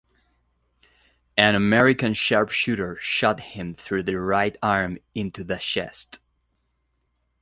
An American sharpshooter shot him through the right arm into the chest.